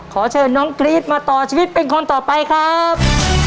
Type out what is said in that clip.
ขอเชิญน้องกรี๊ดมาต่อชีวิตเป็นคนต่อไปครับ